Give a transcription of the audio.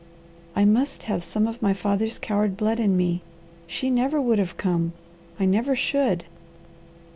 I must have some of my father's coward blood in me. She never would have come. I never should!"